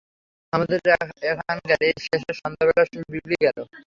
আমাদের এখানকার এই শেষ সন্ধেবেলার সুর বিগড়ে গেল।